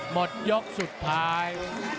หมดยกสุดท้าย